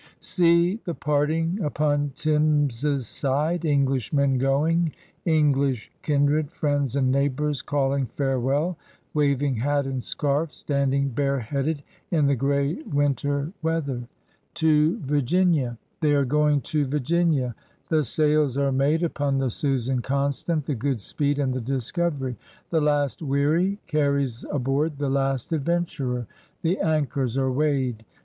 See the parting upon Thames's side. English men going, English kindred, friends, and neighbors calling farewell, waving hat and scarf, standing bare headed in the gray winter weather! To Vir ■■ t ^ 1. _» i^^iyMiii^ THE THBEE SHIPS SAIL 9 ginia — they are going to Virginia! The sails are made upon the Susan Constant, the Goodspeed, and the Discovery. The last wherry carries aboard the last adventurer. The anchors are weighed.